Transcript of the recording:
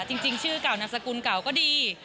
จริงชื่อเก่านามสกุลเก่าก็ดี